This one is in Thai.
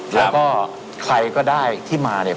แล้วก็ใครก็ได้ที่มาเนี่ย